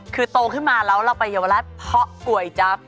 คือโตขึ้นมาแล้วเราไปเยาวราชเพราะก๋วยจับ